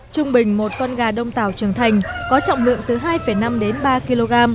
tỉnh một con gà đông tảo trường thành có trọng lượng từ hai năm đến ba kg